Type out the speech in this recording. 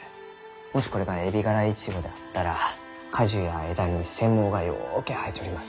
もしこれがエビガライチゴだったら花序や枝に腺毛がようけ生えちょります。